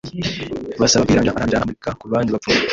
bisaba kwiyeranja aranjyana amurika ku bandi bapfumu